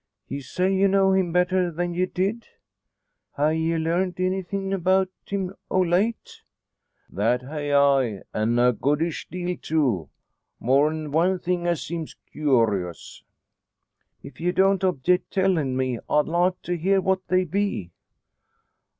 "Ye say ye know him better than ye did? Ha' ye larned anythin' 'bout him o' late?" "That hae I; an' a goodish deal too. More'n one thing as seems kewrous." "If ye don't object tellin' me, I'd like to hear what they be."